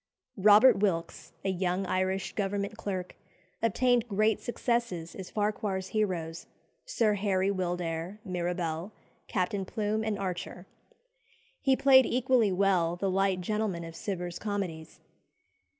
Robert Wilkes, a young Irish Government clerk, obtained great successes as Farquhar's heroes, Sir Harry Wildair, Mirabel, Captain Plume, and Archer. He played equally well the light gentlemen of Cibber's comedies.